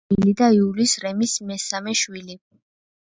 იყო ემილი და იულის რემის მესამე შვილი.